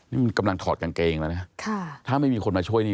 นี่มันกำลังถอดกางเกงแล้วนะถ้าไม่มีคนมาช่วยนี่